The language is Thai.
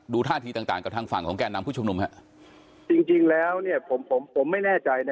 ดูธ่าทีต่างกับทางฝั่งของแก่นรำพุชธชุมนุมฮะ